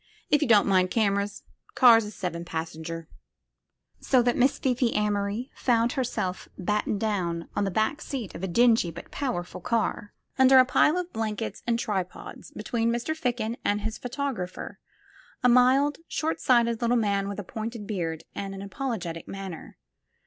If you don't mind cameras. Car's a seven passenger." So that Miss Fifi Amory found herself battened down on the back seat of a dingy but powerful car, under a 187 SQUARE PEGGY pile of blankets and tripods, between Mr. Ficken and his photographer, a mild, shortsighted little man with a pointed beard and an apologetic manner.